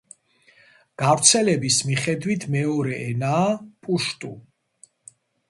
გავრცელების მიხედვით მეორე ენაა პუშტუ.